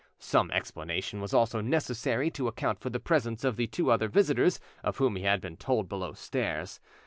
Some explanation was also necessary to account for the presence of the two other visitors of whom he had been told below stairs.